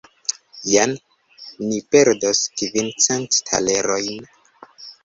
Jen ni perdos kvincent talerojn.